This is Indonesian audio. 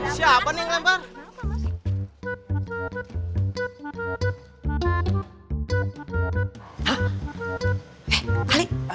siapa nih yang lempar